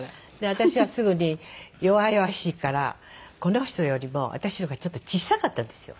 私はすぐに弱々しいからこの人よりも私の方がちょっと小さかったんですよ